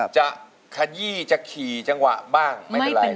ขยี้จะขี่จังหวะบ้างไม่เป็นไร